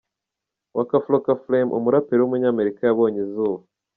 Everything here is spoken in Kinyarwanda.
Waka Flocka Flame, umuraperi w’umunyamerika yabonye izuba.